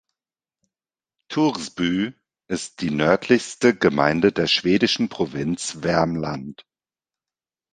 Torsby ist die nördlichste Gemeinde der schwedischen Provinz Värmland.